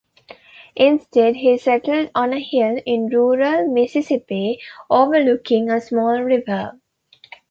Instead, he settled on a hill in rural Mississippi, overlooking a small river.